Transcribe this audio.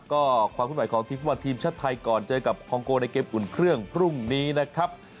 ก็ความขึ้นไหวของทีมฟุตบอลทีมชาติไทยก่อนเจอกับคองโกในเกมอุ่นเครื่องพรุ่งนี้นะครับ